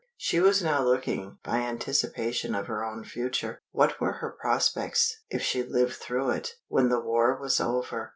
She was now looking by anticipation at her own future. What were her prospects (if she lived through it) when the war was over?